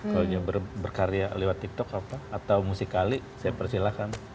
kalau dia berkarya lewat tiktok apa atau musik ali saya persilahkan